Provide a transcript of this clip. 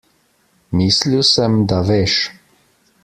Mislil sem, da veš.